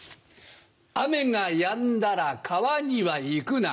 雨がやんだら川には行くな。